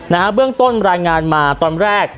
เบื้องต้นรายงานมาตอนแรก